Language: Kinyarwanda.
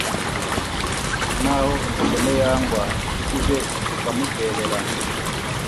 naho umukene yagwa, incuti ze zikamutererana